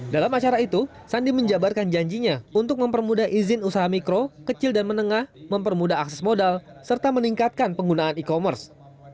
dalam acara itu sandi menjabarkan janjinya untuk mempermudah izin usaha mikro kecil dan menengah mempermudah akses modal serta meningkatkan penggunaan e commerce